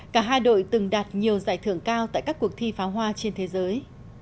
cả hai đội từng đạt nhiều giải thưởng cao tại các cuộc thi pháo hoa trên thế giới